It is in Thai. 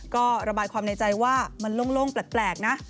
ก็ระบายความในใจว่ามันโล่งแปลกนะ